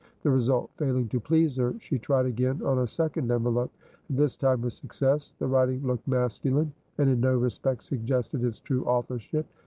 The result failing to please her, she tried again on a second envelope, and this time with success; the writing looked masculine, and in no respect suggested its true authorship.